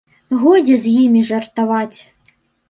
Годзе з імі жартаваць.